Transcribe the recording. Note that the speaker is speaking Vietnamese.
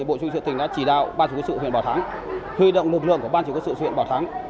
bộ trung sĩ tỉnh đã chỉ đạo ban chủ quốc sự huyện bảo thắng huy động lực lượng của ban chủ quốc sự huyện bảo thắng